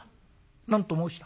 「何と申した？